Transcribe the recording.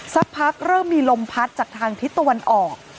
สักพักเริ่มมีลมพัดจากทางทิศตะวันออก